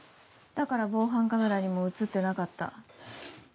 だから防犯カメラにも写ってなかった。